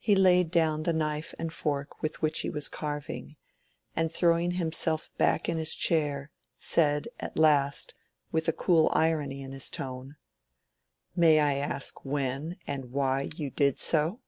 He laid down the knife and fork with which he was carving, and throwing himself back in his chair, said at last, with a cool irony in his tone— "May I ask when and why you did so?"